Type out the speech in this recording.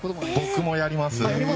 僕もあります。